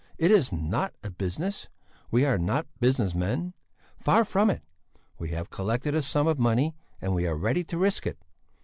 It is not a business; we are not business men. Far from it! We have collected a sum of money and we are ready to risk it.